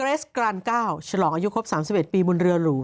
เกรสกรันเก้าฉลองอายุครบ๓๑ปีบุญเรือหรู